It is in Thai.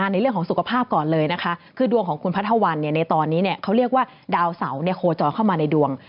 ในเรื่องของสุขภาพก่อนเลยนะคะคือดวงของคุณพัทธวรรณในตอนนี้เขาเรียกว่าดาวเสาโคจรเข้ามาในดวง